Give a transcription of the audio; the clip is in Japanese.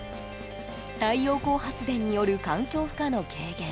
太陽光発電による環境負荷の軽減。